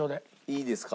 いいですか？